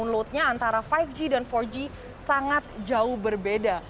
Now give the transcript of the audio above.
loadnya antara lima g dan empat g sangat jauh berbeda